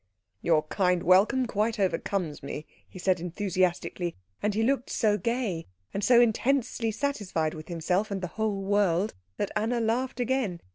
"Your kind welcome quite overcomes me," he said enthusiastically; and he looked so gay, and so intensely satisfied with himself and the whole world, that Anna laughed again.